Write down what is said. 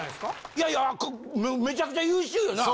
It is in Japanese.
いやめちゃくちゃ優秀よな？